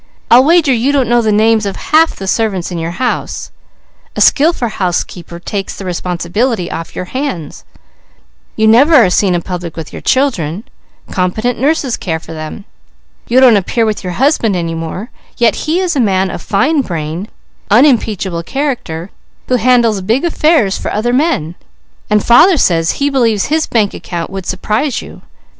I'll wager you don't know the names of half the servants in your house; a skillful housekeeper takes the responsibility off your hands. You never are seen in public with your children; competent nurses care for them. You don't appear with your husband any more; yet he is a man of fine brain, unimpeachable character, who handles big affairs for other men, and father says he believes his bank account would surprise you.